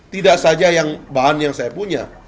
tidak saja bahan yang saya punya